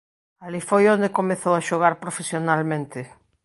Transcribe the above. Alí foi onde comezou a xogar profesionalmente.